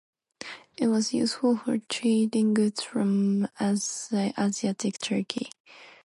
It was useful for trading goods from Asiatic Turkey (Anatolia).